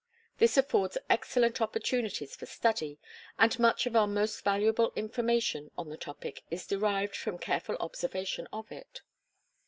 This affords excellent opportunities for study, and much of our most valuable information on the topic is derived from careful observation of it.